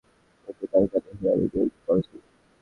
কিন্তু তার কানে হিয়ারিং এইড পরা ছিল।